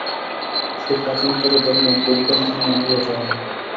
সেই প্রাচীনতর ধর্ম বৈদান্তিক না হইয়া যায় না।